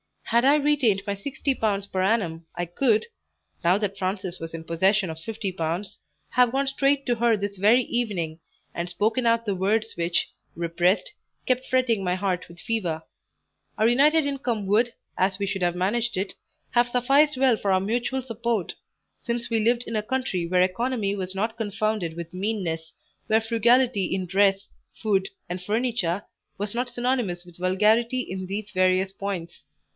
Had I retained my 60l. per annum I could, now that Frances was in possession of 50l., have gone straight to her this very evening, and spoken out the words which, repressed, kept fretting my heart with fever; our united income would, as we should have managed it, have sufficed well for our mutual support; since we lived in a country where economy was not confounded with meanness, where frugality in dress, food, and furniture, was not synonymous with vulgarity in these various points.